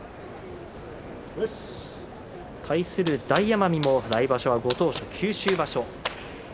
対する大奄美も来場所はご当所、九州場所。